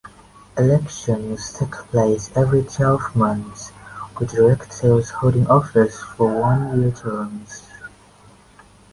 Elections take place every twelve months, with directors holding office for one-year terms.